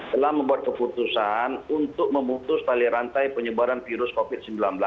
telah membuat keputusan untuk memutus tali rantai penyebaran virus covid sembilan belas